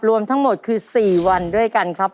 รวมทั้งหมดคือ๔วันด้วยกันครับ